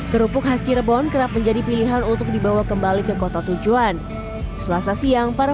kerupuk khas cirebon kerap menjadi pilihan untuk dibawa kembali ke kota tujuan selasa siang para